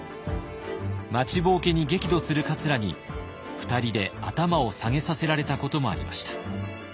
待ちぼうけに激怒する桂に２人で頭を下げさせられたこともありました。